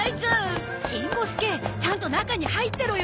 しん五すけちゃんと中に入ってろよ。